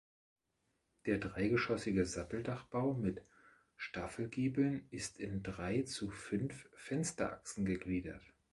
Der dreigeschossige Satteldachbau mit Staffelgiebeln ist in drei zu fünf Fensterachsen gegliedert.